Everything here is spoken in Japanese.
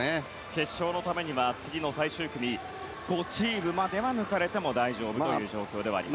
決勝のためには次の最終組５チームまでは抜かれても大丈夫ということになります。